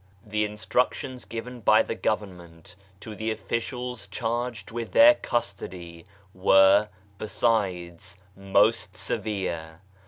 The instructions given by the government to the officials charged with their custody were, besides, most severe.